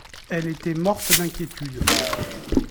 Elle était morte d'inquiétude.